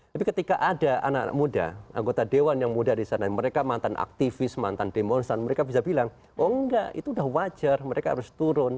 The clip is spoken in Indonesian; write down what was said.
tapi ketika ada anak anak muda anggota dewan yang muda di sana mereka mantan aktivis mantan demonstran mereka bisa bilang oh enggak itu udah wajar mereka harus turun